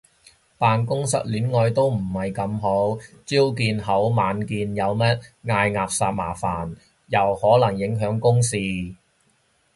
辦公室戀愛都唔係咁好，朝見口晚見面有咩嗌霎好麻煩，又可能影響公事